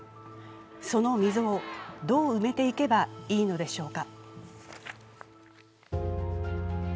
その溝をどう埋めていけばいいのでしょうか。